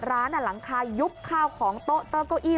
ร้านหลังคายุบข้าวของโต๊ะเก้าอี้